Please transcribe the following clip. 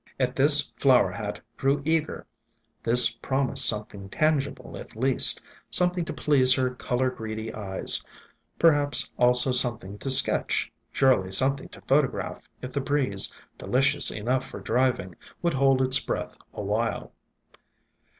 At this Flower Hat grew eager. This promised something tangible, at last; something to please her color greedy eyes, perhaps also something to sketch, surely something to photograph if the breeze, deli cious enough for driving, would hold its breath awhile.